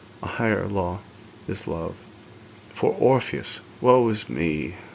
A higher law is love! For Orpheus woe is me!